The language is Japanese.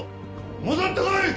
戻ってこい！